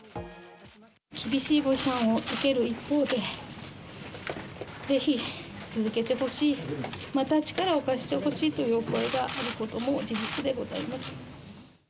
厳しいご批判を受ける一方で、ぜひ続けてほしい、また力を貸してほしいというお声があることも事実でございます。